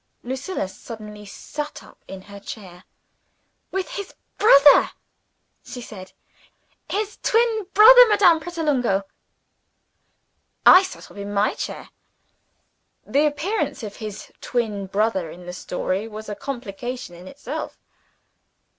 Lucilla suddenly sat up in her chair. "With his brother," she said. "His twin brother, Madame Pratolungo." I sat up in my chair. The appearance of his twin brother in the story was a complication in itself.